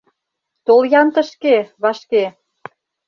— Тол-ян тышке, вашке.